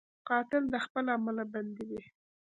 قاتل د خپل عمل بندي وي